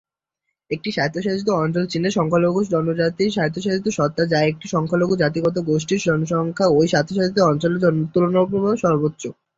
একটি স্বায়ত্তশাসিত অঞ্চল চীনের সংখ্যালঘু জনজাতির স্বায়ত্তশাসিত সত্তা, যা একটি সংখ্যালঘু জাতিগত গোষ্ঠীর জনসংখ্যা ওই স্বায়ত্বশাসিত অঞ্চলে তুলনামূলকভাবে সর্বোচ্চ।